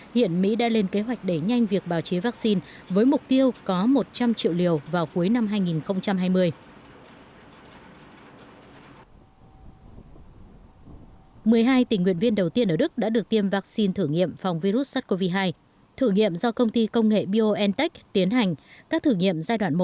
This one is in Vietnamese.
hiện mỹ đã lên kế hoạch để nhanh việc bào chế vaccine với mục tiêu có một trăm linh triệu liều vào cuối năm hai nghìn hai mươi